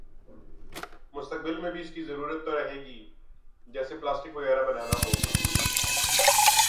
مستقبل میں بھی اس کی ضرورت تو رہے ہی گی جیسے پلاسٹک وغیرہ بنا نا ہوگیا